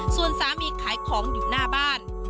ส่วนสามีขายของอยู่หน้าบ้าน